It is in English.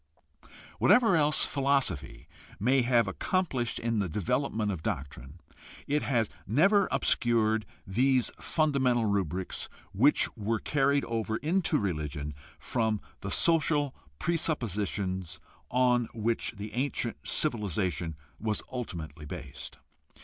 Whatever else philosophy may have accomplished in the development of doctrine, it has never obscured these fundamental rubrics which were carried over into religion from the social presuppositions on which the ancient civilization was ultimately based.